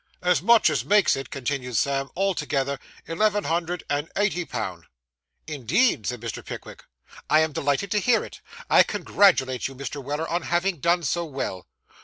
'As much as makes it,' continued Sam, 'altogether, eleven hundred and eighty pound.' 'Indeed!' said Mr. Pickwick. 'I am delighted to hear it. I congratulate you, Mr. Weller, on having done so well.